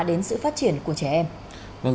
đến sự phát triển của trẻ em